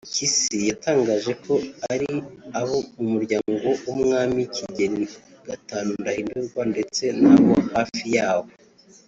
Mpyisi yatangaje ko ari abo mu muryango w’Umwami Kigeli V Ndahindurwa ndetse n’abo hafi yawo